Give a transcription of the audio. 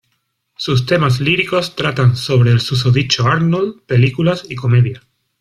Sus temas líricos tratan sobre el susodicho Arnold, películas y comedia.